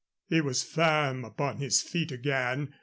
He was firm upon his feet again.